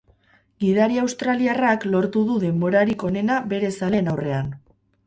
Gidari australiarrak lortu du denborarik onena bere zaleen aurrean.